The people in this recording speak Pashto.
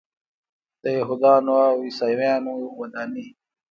د یهودانو او عیسویانو ودانۍ.